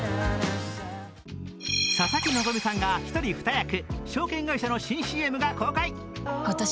佐々木希さんが１人１役、証券会社の新ＣＭが公開。